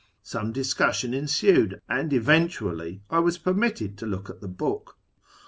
Some discussion ensued, and event ually I was permitted to look at the book.